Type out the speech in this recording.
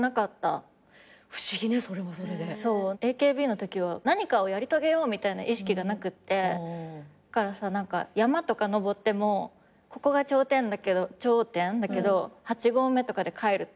ＡＫＢのときは何かをやり遂げようみたいな意識がなくってだからさ山とか登ってもここが頂点だけど８合目とかで帰るタイプ。